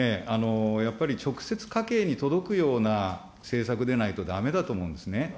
やっぱり直接家計に届くような政策でないとだめだと思うんですね。